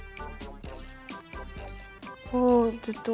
おずっと。